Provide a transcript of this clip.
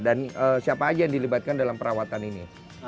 dan siapa aja yang dilibatkan dalam perawatan ini